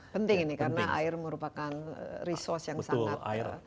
penting ini karena air merupakan resource yang sangat